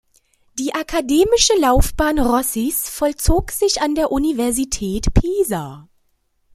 Die akademische Laufbahn Rossis vollzog sich an der Universität Pisa.